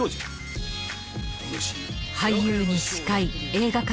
俳優に司会映画監督。